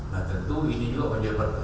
nah tentu ini juga menjadi suatu kenyataan